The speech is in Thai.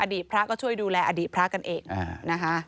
พระก็ช่วยดูแลอดีตพระกันเองนะคะ